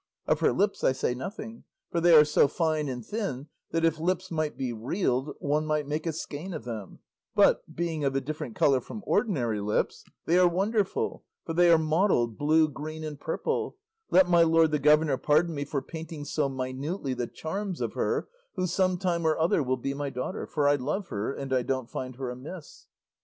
Of her lips I say nothing, for they are so fine and thin that, if lips might be reeled, one might make a skein of them; but being of a different colour from ordinary lips they are wonderful, for they are mottled, blue, green, and purple let my lord the governor pardon me for painting so minutely the charms of her who some time or other will be my daughter; for I love her, and I don't find her amiss."